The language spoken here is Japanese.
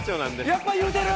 やっぱ言うてる！